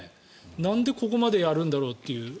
なんでここまでやるんだろうって